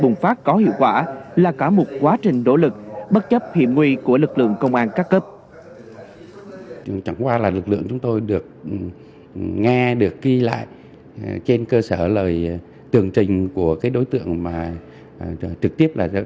phương pháp có hiệu quả là cả một quá trình đỗ lực bất chấp hiểm nguy của lực lượng công an các cấp